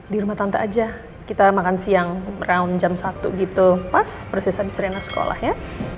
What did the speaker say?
di rumah tante aja kita makan siang raund jam satu gitu pas persis habis rena sekolah ya